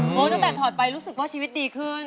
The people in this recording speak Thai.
โหตั้งแต่ถอดไปรู้สึกว่าชีวิตดีขึ้น